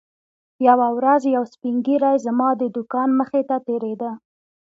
یوه ورځ یو سپین ږیری زما د دوکان مخې ته تېرېده.